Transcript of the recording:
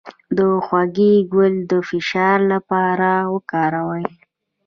د هوږې ګل د فشار لپاره وکاروئ